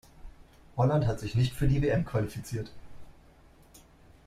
Holland hat sich nicht für die WM qualifiziert.